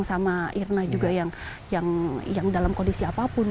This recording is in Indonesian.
sama irna juga yang dalam kondisi apapun